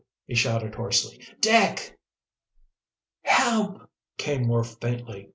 he shouted hoarsely. "Dick!" "Help!" came more faintly.